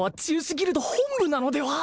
ギルド本部なのでは？